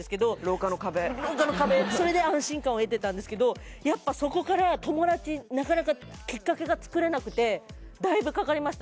それで安心感を得てたんですけどやっぱそこから友達なかなかきっかけがつくれなくてだいぶかかりました